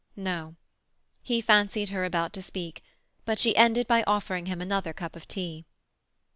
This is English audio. No. He fancied her about to speak, but she ended by offering him another cup of tea.